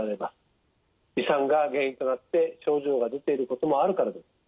胃酸が原因となって症状が出ていることもあるからです。